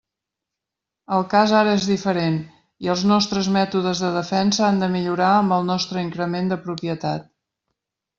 El cas ara és diferent, i els nostres mètodes de defensa han de millorar amb el nostre increment de propietat.